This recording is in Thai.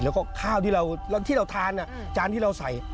แล้วก็ข้าวที่เราที่เราทานจานที่เราใส่